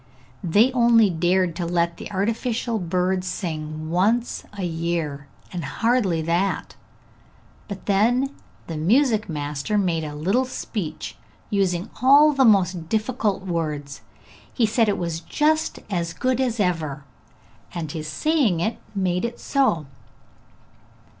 They only dared to let the artificial bird sing once a year, and hardly that; but then the music master made a little speech, using all the most difficult words. He said it was just as good as ever, and his saying it made it so.